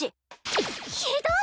ひひどい！